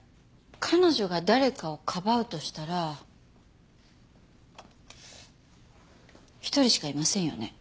彼女が誰かをかばうとしたら１人しかいませんよね。